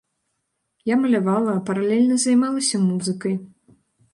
Я малявала, а паралельна займалася музыкай.